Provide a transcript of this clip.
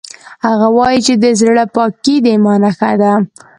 هغه وایي چې د زړه پاکۍ د ایمان نښه ده